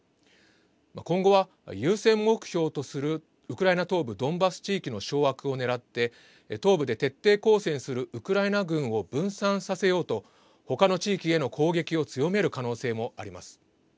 今後は優先目標とするウクライナ東部ドンバス地域の掌握を狙って東部で徹底抗戦するウクライナ軍を分散させようと他の地域への攻撃を強める可能性もあります。